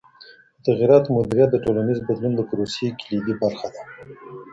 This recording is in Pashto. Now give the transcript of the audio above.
د تغییراتو مدیریت د ټولنیز بدلون د پروسې کلیدي برخه ده.